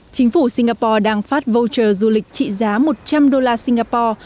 chính phủ singapore đang phát voucher du lịch trị giá một trăm linh đô la singapore